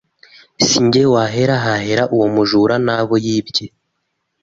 Sinjye wahera hahera uwo mujura nabo yibye